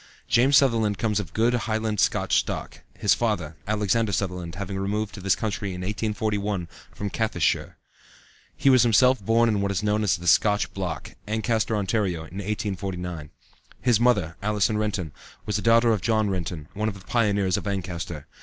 James Sutherland comes of good Highland Scotch stock, his father, Alexander Sutherland, having removed to this country in 1841, from Caithness shire. He was himself born in what is known as the "Scotch Block," Ancaster, Ontario, in 1849. His mother, Allison Renton, was a daughter of John Renton, one of the pioneers of Ancaster.